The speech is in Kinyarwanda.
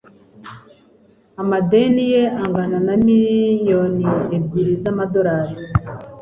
Amadeni ye angana na miliyoni ebyiri z'amadolari